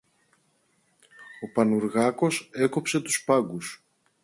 Ο Πανουργάκος έκοψε τους σπάγκους